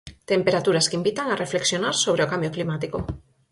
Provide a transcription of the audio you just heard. Temperaturas que invitan a reflexionar sobre o cambio climático.